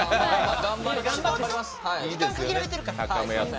時間限られてるから。